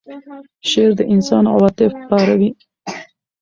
شعر د انسان عواطف پاروي.